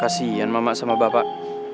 kasian mama sama bapak